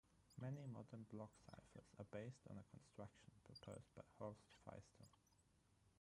Many modern block ciphers are based on a construction proposed by Horst Feistel.